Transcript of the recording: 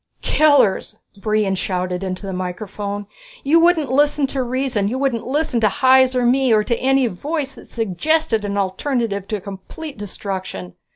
"Killers!" Brion shouted into the microphone. "You wouldn't listen to reason, you wouldn't listen to Hys, or me, or to any voice that suggested an alternative to complete destruction.